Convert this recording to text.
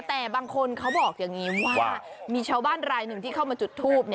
แต่บางคนเขาบอกอย่างนี้ว่ามีชาวบ้านรายหนึ่งที่เข้ามาจุดทูบ